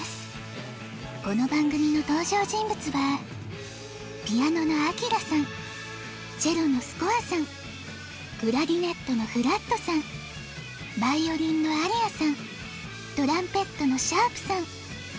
この番組の登場人物はピアノのアキラさんチェロのスコアさんクラリネットのフラットさんバイオリンのアリアさんトランペットのシャープさん。